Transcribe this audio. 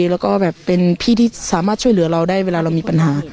แล้วก็แบบเป็นพี่ที่สามารถช่วยเหลือเราได้เวลาเรามีปัญหา